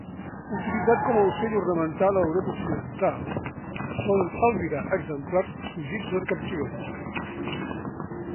Utilitzat com ocell ornamental a Europa Occidental, es poden albirar exemplars fugits del captiveri.